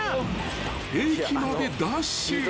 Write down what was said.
［駅までダッシュ］